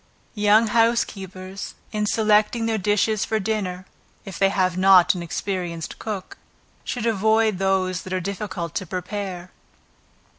Young housekeepers in selecting their dishes for dinner, (if they have not an experienced cook,) should avoid those that are difficult to prepare.